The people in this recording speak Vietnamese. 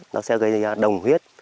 nó sẽ gây ra đồng huyết